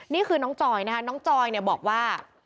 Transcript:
นี่คือน้องจอยนะคะน้องจอยเนี่ยบอกว่า